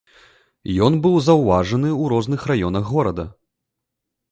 Ён быў заўважаны ў розных раёнах горада.